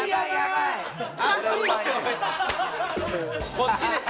「こっちです」